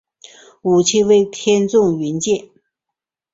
武器为天丛云剑。